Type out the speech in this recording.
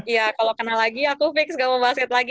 iya kalau kenal lagi aku fix gak mau basket lagi